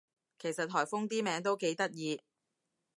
其實颱風啲名都幾得意